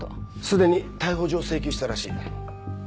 すでに逮捕状を請求したらしい。